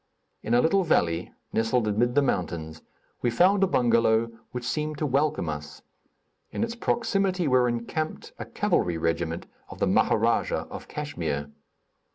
In a little valley, nestled amid the mountains, we found a bengalow which seemed to welcome us. In its proximity were encamped a cavalry regiment of the Maharajah of Kachmyr.